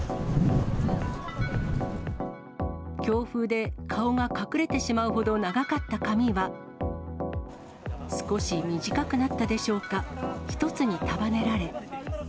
強風で顔が隠れてしまうほど長かった髪は、少し短くなったでしょうか、１つに束ねられ。